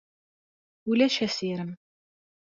Ulac assirem.